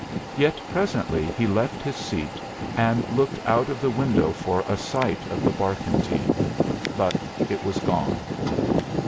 Yet presently he left his seat and looked out of the window for a sight of the barkentine; but it was gone.